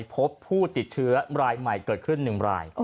พบผู้ติดเชื้อรายใหม่เกิดขึ้น๑ราย